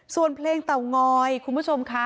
ส่วนเพลงเตางอยคุณผู้ชมค่ะ